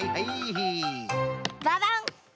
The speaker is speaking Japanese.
ババン！